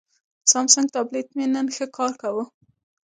سامسنګ ټابلیټ مې نن ښه کار کاوه.